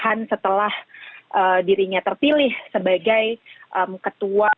dan menahan setelah dirinya terpilih sebagai ketua